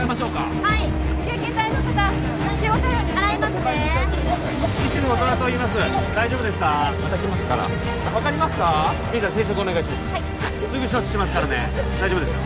はいすぐ処置しますからね大丈夫ですよ